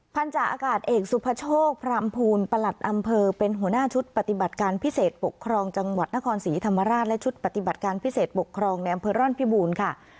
จากอากาศเอกสุภโชคพรามภูลประหลัดอำเภอเป็นหัวหน้าชุดปฏิบัติการพิเศษปกครองจังหวัดนครศรีธรรมราชและชุดปฏิบัติการพิเศษปกครองในอำเภอร่อนพิบูรณ์ค่ะ